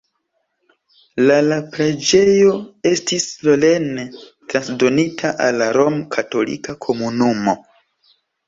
La la preĝejo estis solene transdonita al la romkatolika komunumo.